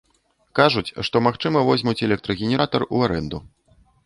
Кажуць, што, магчыма, возьмуць электрагенератар ў арэнду.